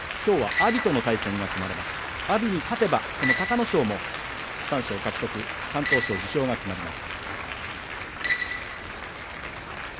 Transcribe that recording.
阿炎に勝てば隆の勝も敢闘賞受賞が決まります。